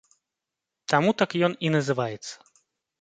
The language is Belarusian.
Таму так ён і называецца.